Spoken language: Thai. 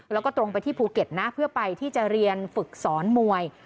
แล้วก็ตรงไปที่ภูเก็ตนะเพื่อไปที่จะเรียนฝึกสอนมวย